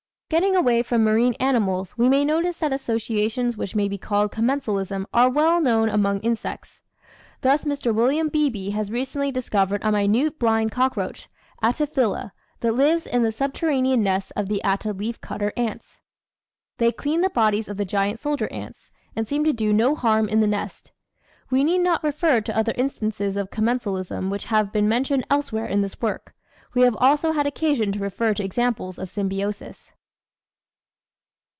Getting away from marine animals, we may notice that asso ciations which may be called commensalism are well known among insects. Thus Mr. William Beebe has recently described a minute blind cockroach (Attaphila) that lives in the subterranean nests of the Atta leaf cutter ants. They clean the bodies of the giant soldier ants and seem to do no harm in the nest. We need not refer to other instances of commensalism which have been mentioned elsewhere in this work. We have also had occasion to refer to examples of symbiosis.